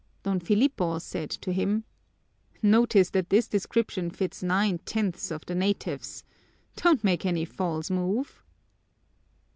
Don Filipo said to him, "Notice that this description fits nine tenths of the natives. Don't make any false move!"